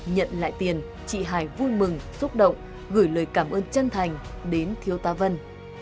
nhận lại tiền chị hải vui mừng xúc động gửi lời cảm ơn chân thành đến thiếu tá vân